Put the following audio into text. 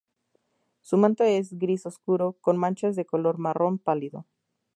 Su manto es gris oscuro, con manchas de color marrón pálido.